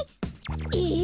えっ？